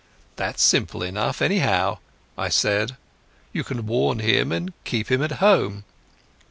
"That's simple enough, anyhow," I said. "You can warn him and keep him at home."